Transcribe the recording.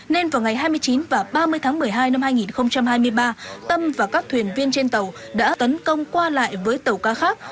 nên vào ngày hai mươi chín và ba mươi tháng một mươi hai năm hai nghìn hai mươi ba tâm và các thuyền viên trên tàu đã tấn công qua lại với tàu ca khác